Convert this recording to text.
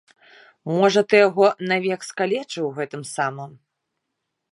Можа, ты яго навек скалечыў гэтым самым.